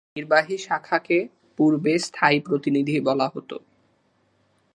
নির্বাহী শাখাকে পূর্বে "স্থায়ী প্রতিনিধি" বলা হত।